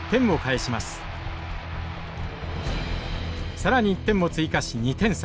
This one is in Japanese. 更に１点も追加し２点差。